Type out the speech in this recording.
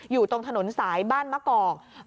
อยู่ตรงถนนสายบ้านมะกอก